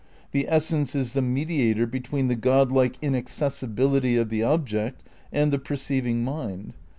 The essence is the mediator between the god like inaccessibility of the object and the perceiving mind.